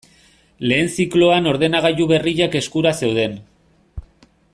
Lehen zikloan ordenagailu berriak eskura zeuden.